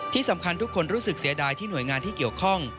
ที่สำคัญทุกคนรู้สึกเสียดายที่หน่วยงานที่เกี่ยวข้อง